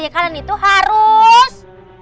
ya kalian itu harus